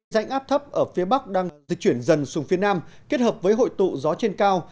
rãnh áp thấp ở phía bắc đang dịch chuyển dần xuống phía nam kết hợp với hội tụ gió trên cao